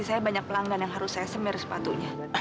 saya banyak pelanggan yang harus saya semir sepatunya